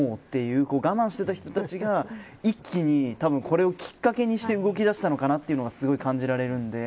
もうって我慢していた人たちが一気に、これをきっかけにして動き出したのかなというのを感じました。